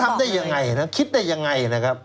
ทำได้ยังไงนะคิดได้ยังไงนะครับ